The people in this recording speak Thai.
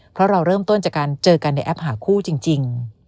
เพราะเราเริ่มต้นจากการเจอกันในแอปหาคู่จริง